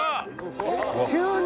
急に！